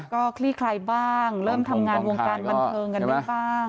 ก็คลี่คลายบ้างเริ่มทำงานวงการบันเทิงกันได้บ้าง